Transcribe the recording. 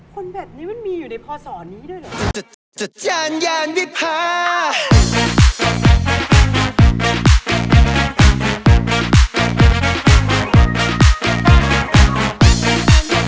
คนแบบนี้มันมีอยู่ในพศนี้ด้วยเหรอ